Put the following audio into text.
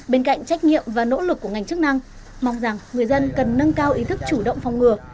bên cạnh trách nhiệm và nỗ lực của ngành chức năng mong rằng người dân cần nâng cao ý thức chủ động phòng ngừa